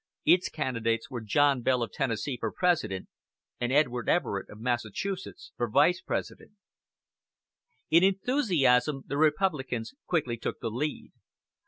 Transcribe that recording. Its candidates were John Bell of Tennessee for President, and Edward Everett of Massachusetts for Vice President. In enthusiasm the Republicans quickly took the lead.